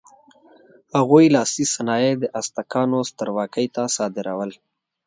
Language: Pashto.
هغوی لاسي صنایع د ازتکانو سترواکۍ ته صادرول.